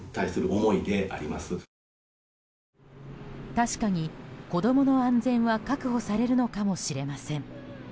確かに子供の安全は確保されるのかもしれません。